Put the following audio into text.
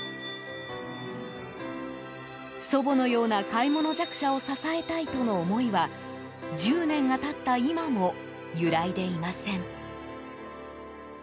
祖母のような買い物弱者を支えたいとの思いは１０年が経った今も揺らいでいません。